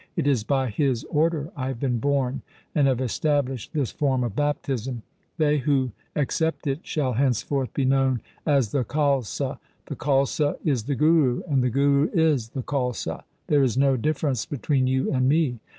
It is by His order I have been born and have established this form of baptism. They who accept it shall hence forth be known as the Khalsa. The Khalsa is the Guru and the Guru is the Khalsa. There is no difference between you and me.